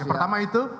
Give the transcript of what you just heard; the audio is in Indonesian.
yang pertama itu